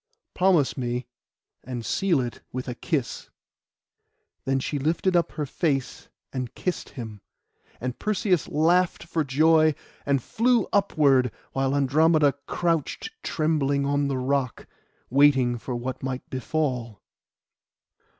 Promise me, and seal it with a kiss.' Then she lifted up her face, and kissed him; and Perseus laughed for joy, and flew upward, while Andromeda crouched trembling on the rock, waiting for what might befall.